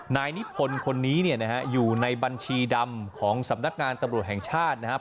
นายนิษฐภลคนนี้อยู่ในบัญชีดำของสำนักงานตำรวจแห่งชาตินะครับ